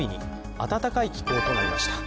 暖かい気候となりました。